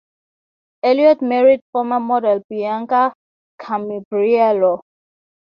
Eliot married former model Bianca Ciambriello.